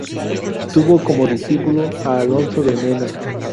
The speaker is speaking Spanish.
Tuvo como discípulo a Alonso de Mena.